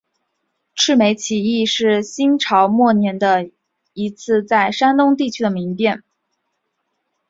赤眉起义是新朝末年的一次在山东地区的民变。